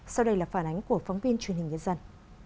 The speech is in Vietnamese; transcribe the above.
sau đây là phản ánh của phóng viên truyền hình nhân dân